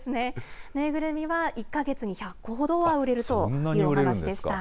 縫いぐるみは１か月に１００個ほどは売れるというお話でした。